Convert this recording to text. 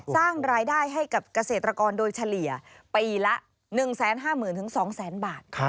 สร้างรายได้ให้กับเกษตรกรโดยเฉลี่ยปีละ๑๕๐๐๐๒๐๐๐บาท